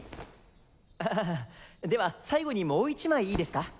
アハハでは最後にもう１枚いいですか。